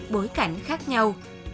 bối cảnh khác nhau